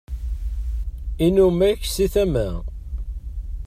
inumak si tama